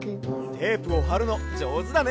テープをはるのじょうずだね！